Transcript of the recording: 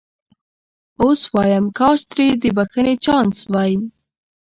اوس وایم کاش ترې د بخښنې چانس وای.